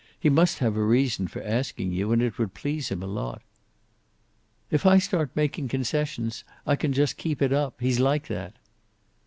He must have a reason for asking you. And it would please him a lot." "If I start making concession, I can just keep it up. He's like that."